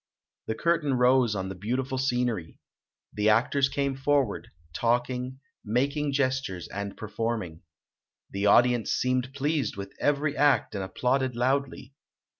The curtain rose on the beautiful scenery. The actors came forward, talking, making ges tures and performing. The audience seemed pleased with every act and applauded loudly.